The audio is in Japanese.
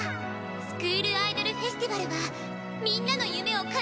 「スクールアイドルフェスティバルはみんなの夢を叶える場所」。